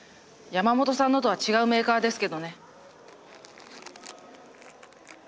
山本さんのとは違うメーカーですけどね。